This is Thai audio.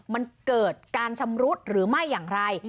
มันเกิดการชำรุดหรือไม่อย่างไร